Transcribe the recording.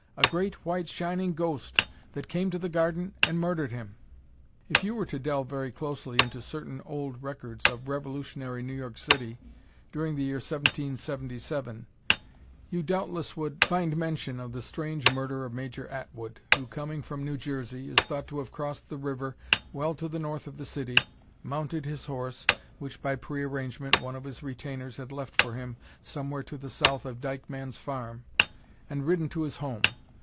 A great, white, shining ghost that came to the garden and murdered him!" If you were to delve very closely into certain old records of Revolutionary New York City during the year 1777, you doubtless would find mention of the strange murder of Major Atwood, who, coming from New Jersey, is thought to have crossed the river well to the north of the city, mounted his horse which, by pre arrangement, one of his retainers had left for him somewhere to the south of Dykeman's farm and ridden to his home.